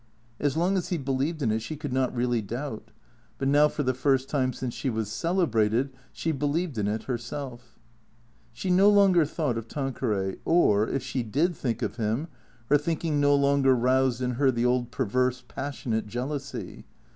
As long as he believed in it she could not really doubt. But now for the first time since she was celebrated she believed in it herself. She no longer thought of Tanqueray. Or, if she did think of him, her thinking no longer roused in her the old perverse, passionate jealousy.